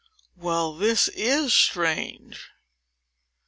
Well, this is strange!